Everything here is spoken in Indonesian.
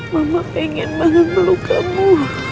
mama pengen banget melukamu